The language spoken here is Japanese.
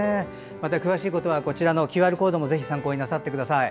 詳しいことはＱＲコードもぜひ参考になさってください。